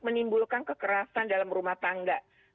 menimbulkan kekerasan dalam rumah tangga